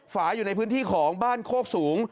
ฝาอยู่ในพื้นที่ของบ้านโคกสูง